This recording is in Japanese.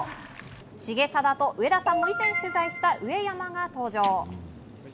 重定と、上田さんも以前取材した上山が登場。